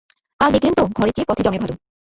কাল দেখলেন তো ঘরের চেয়ে পথে জমে ভালো।